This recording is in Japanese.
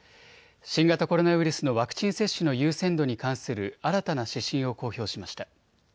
新型コロナウイルスのワクチン接種の優先度に関する新たな指針を公表しました。